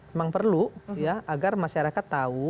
memang perlu ya agar masyarakat tahu